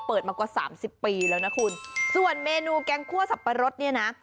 มากว่าสามสิบปีแล้วนะคุณส่วนเมนูแกงคั่วสับปะรดเนี่ยนะ